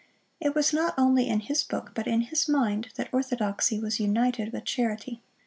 It was not only in his book but in his mind that orthodoxy was united with charity.